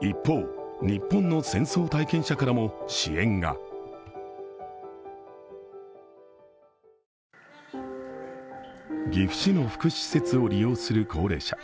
一方、日本の戦争体験者からも支援が岐阜市の福祉施設を利用する高齢者。